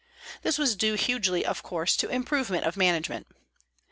This was due hugely, of course, to improvement of management.